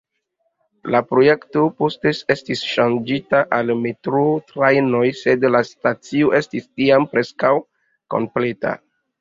La projekto poste estis ŝanĝita al metroo-trajnoj, sed la stacio estis tiam preskaŭ kompleta.